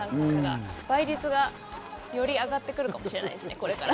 倍率がより上がってくるかもしれないですね、これから。